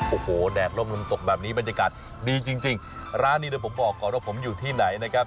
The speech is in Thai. โอ้โหแดดล่มลมตกแบบนี้บรรยากาศดีจริงร้านนี้เดี๋ยวผมบอกก่อนว่าผมอยู่ที่ไหนนะครับ